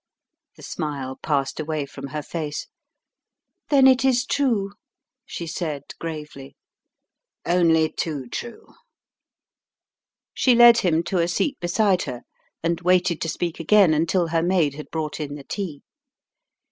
The smile passed away from her face. "Then it is true," she said, gravely. "Only too true." She led him to a seat beside her, and waited to speak again until her maid had brought in the tea.